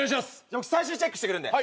僕最終チェックしてくるんで。